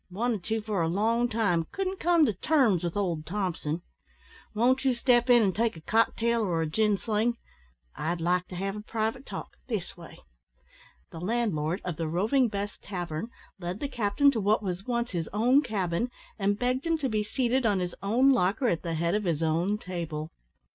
Wanted to for a long time. Couldn't come to terms with old Thompson. Won't you step in and take a cocktail or a gin sling? I'd like to have a private talk this way." The landlord of the Roving Bess Tavern led the captain to what was once his own cabin, and begged him to be seated on his own locker at the head of his own table.